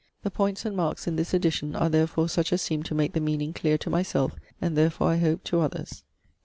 The points and marks in this edition are therefore such as seemed to make the meaning clear to myself, and therefore, I hope, to others.